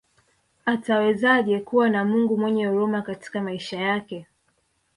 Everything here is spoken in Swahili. Atawezaje kuwa na Mungu mwenyehuruma katika maisha yake